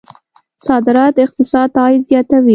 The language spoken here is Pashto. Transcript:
صادرات اقتصاد ته عاید زیاتوي.